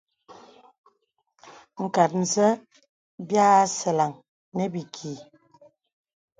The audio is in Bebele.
Nkàt zâ bi asɛlə̀ŋ nə̀ bìkì.